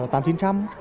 tám chín trăm